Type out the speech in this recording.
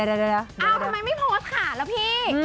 เอ้าทำไมไม่โพสต์ค่ะล่ะพี่